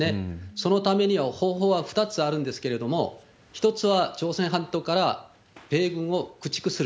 そのためには、方法は２つあるんですけれども、１つは朝鮮半島から米軍を駆逐する。